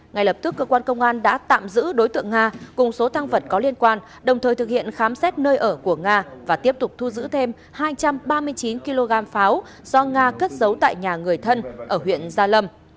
ngay lập tức cơ quan công an đã tạm giữ đối tượng nga cùng số tăng vật có liên quan đồng thời thực hiện khám xét nơi ở của nga và tiếp tục thu giữ thêm hai trăm ba mươi chín kg pháo do nga cất giấu tại nhà người thân ở huyện gia lâm